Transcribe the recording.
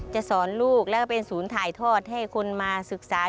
จะสอนลูกแล้วก็เป็นศูนย์ถ่ายทอดให้คนมาศึกษา